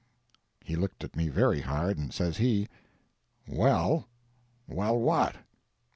He looked at me very hard, and says he, "Well—" "Well what?"